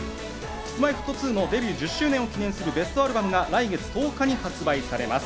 Ｋｉｓ−Ｍｙ−Ｆｔ２のデビュー１０周年を記念するベストアルバムが来月１０日に発売されます。